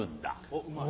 おっうまい。